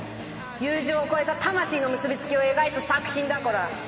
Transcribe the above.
友情を超えた魂の結び付きを描いた作品だコラ。